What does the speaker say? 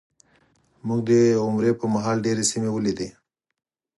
موږ د عمرې په مهال ډېرې سیمې ولیدې.